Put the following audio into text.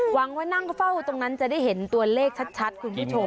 หวังว่านั่งเฝ้าตรงนั้นจะได้เห็นตัวเลขชัดคุณผู้ชม